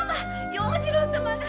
要次郎様が！